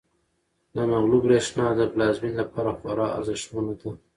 د نغلو برښنا د پلازمینې لپاره خورا ارزښتمنه ده.